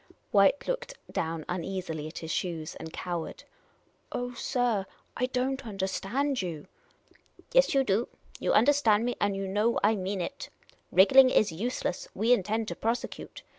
White looked down uneasily at his shoes, and cowered. " Oh, sir, I don't understand you." " Yes you do. You understand me, and you know I mean it. Wriggling is useless ; we intend to prosecute.